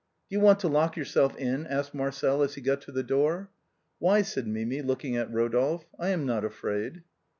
" Do you want to lock yourself in ?" asked Marcel as he got to the door. " Why ?" said Mimi, looking at Rodolphe, " I am not afraid."